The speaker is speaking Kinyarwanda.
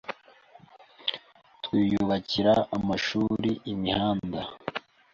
twiyubakira amashuri, imihanda